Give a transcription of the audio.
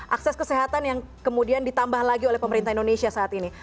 akses kesehatan yang kemudian ditambah lagi oleh pemerintah indonesia saat ini